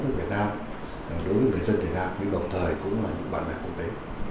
của việt nam đối với người dân việt nam nhưng đồng thời cũng là những bạn bè quốc tế